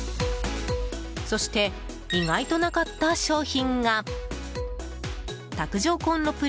そして意外となかった商品が卓上コンロ